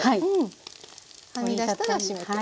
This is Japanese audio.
はみ出したらしめて。